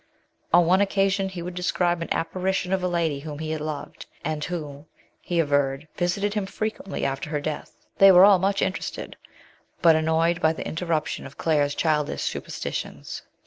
On one occasion he would describe an apparition of a lady whom he had loved, and who, he averred, visited him frequently after her death. They were all much interested, but annoyed by the interruption of Claire's childish superstitions.